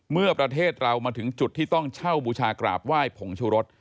เมื่อประเทศเรามาถึงจุดที่ต้องเช่าบูชากราบไหว้ผงชุรส